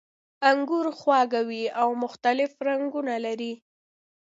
انګور خواږه وي او مختلف رنګونه لري.